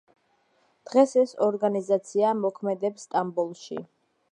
დღეს ეს ორგანიზაცია მოქმედებს სტამბოლში.